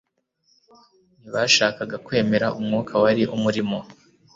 ntibashakaga kwemera umwuka wari umurimo;